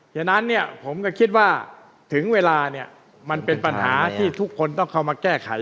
ฉะนั้นเนี่ยผมก็คิดว่าถึงเวลาเนี่ยมันเป็นปัญหาที่ทุกคนต้องเข้ามาแก้ไข